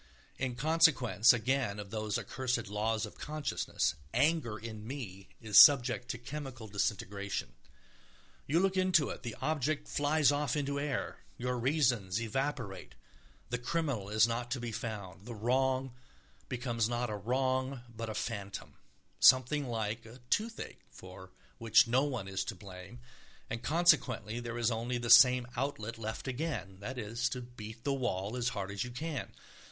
In consequence again of those accursed laws of consciousness, anger in me is subject to chemical disintegration. You look into it, the object flies off into air, your reasons evaporate, the criminal is not to be found, the wrong becomes not a wrong but a phantom, something like the toothache, for which no one is to blame, and consequently there is only the same outlet left again—that is, to beat the wall as hard as you can.